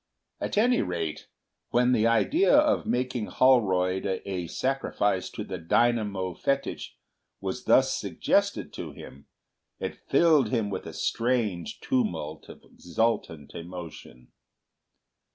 At any rate, when the idea of making Holroyd a sacrifice to the Dynamo Fetich was thus suggested to him, it filled him with a strange tumult of exultant emotion.